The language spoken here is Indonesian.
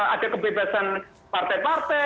ada kebebasan partai partai